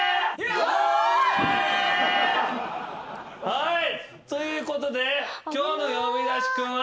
はいということで今日の呼び出しクンは。